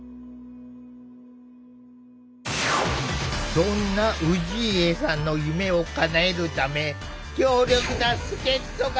そんな氏家さんの夢をかなえるため強力な助っ人が。